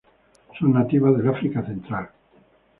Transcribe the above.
Son nativas del África central.